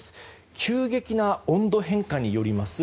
急激な温度変化によります